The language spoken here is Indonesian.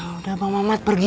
udah bang mamat pergi